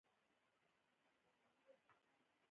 په نورو ځايو کښې به چې څو پورې پيسې يې نه وې ورکړې.